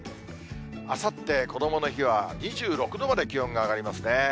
あさって、こどもの日は２６度まで気温が上がりますね。